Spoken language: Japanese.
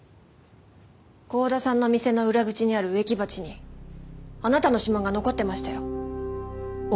剛田さんの店の裏口にある植木鉢にあなたの指紋が残ってましたよ。